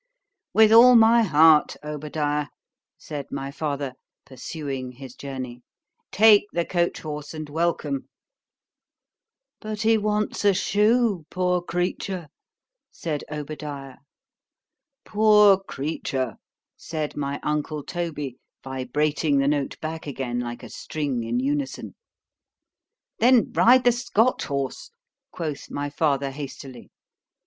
—With all my heart, Obadiah, said my father (pursuing his journey)—take the coach horse, and welcome.——But he wants a shoe, poor creature! said Obadiah.——Poor creature! said my uncle Toby, vibrating the note back again, like a string in unison. Then ride the Scotch horse, quoth my father hastily.